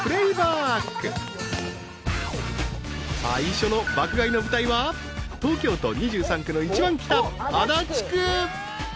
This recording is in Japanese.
［最初の爆買いの舞台は東京都２３区の一番北］